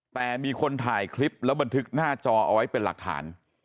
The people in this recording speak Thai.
แต่มีคนถ่ายคลิปแล้วบันทึกหน้าจอเอาไว้เป็นหลักฐาน